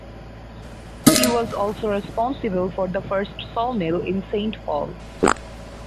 He was also responsible for the first sawmill in Saint Paul.